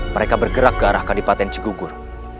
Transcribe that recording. mereka bergerak ke arah kandipaten cegugur